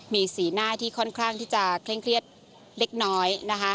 มีสีหน้าที่ค่อนข้างที่จะเคร่งเครียดเล็กน้อยนะคะ